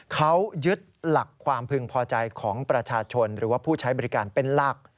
เขายึดหลักความพึงพอใจของประชาชนหรือว่าผู้ใช้บริการเป็นหลัก